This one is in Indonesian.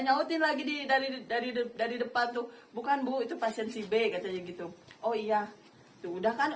nyautin lagi di dari dari dari depan tuh bukan bu itu pasien sibe katanya gitu oh iya udah kan